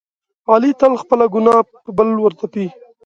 علي تل خپله ګناه په بل ورتپي.